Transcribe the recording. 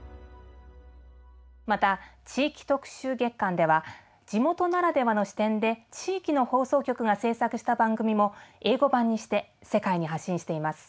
また「地域特集月間」では地元ならではの視点で地域の放送局が制作した番組も英語版にして世界に発信しています。